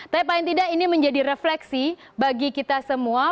tapi paling tidak ini menjadi refleksi bagi kita semua